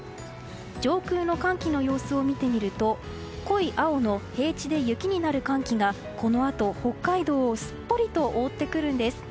上空の寒気の様子を見てみると濃い青の平地で雪になる寒気がこのあと、北海道をすっぽりと覆ってくるんです。